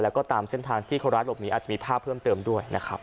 แล้วก็ตามเส้นทางที่คนร้ายหลบหนีอาจจะมีภาพเพิ่มเติมด้วยนะครับ